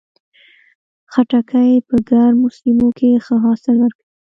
خټکی په ګرمو سیمو کې ښه حاصل ورکوي.